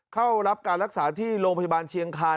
เข้ารับการรักษาที่โรงพยาบาลเชียงคาน